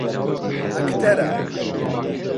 ئەکتەرە.